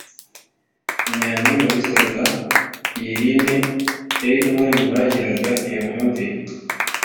ni nyampinga witwa pierrine yari umwe mu bagiraga iyo myumvire,